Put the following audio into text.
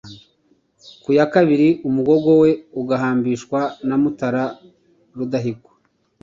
ku ya karindwi umugogo we ugahambishwa na Mutara Rudahigwa;